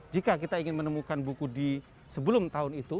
jika kita ingin menemukan buku di sebelum tahun itu